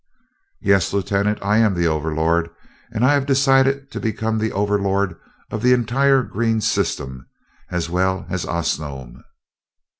"Yes, lieutenant, I am the Overlord and I have decided to become the Overlord of the entire green system, as well as of Osnome."